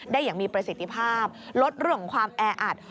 อย่างมีประสิทธิภาพลดเรื่องของความแออัด